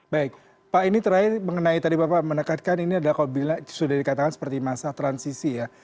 baik pak ini terakhir mengenai tadi bapak menekankan ini adalah kalau sudah dikatakan seperti masa transisi ya